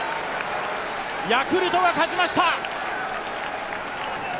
ヤクルトが勝ちました。